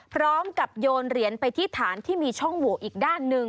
พร้อมกับโยนเหรียญไปที่ฐานที่มีช่องโหวอีกด้านหนึ่ง